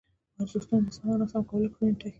ارزښتونه د سم او ناسم کولو کړنې ټاکي.